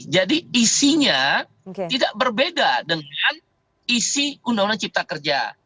jadi isinya tidak berbeda dengan isi undang undang cipta kerja